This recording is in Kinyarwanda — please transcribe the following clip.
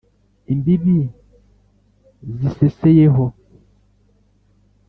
Imbibi ziseseyeho,